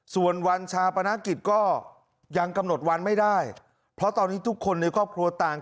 ส่วนวันชาปนกิจก็ยังกำหนดวันไม่ได้เพราะตอนนี้ทุกคนในครอบครัวต่าง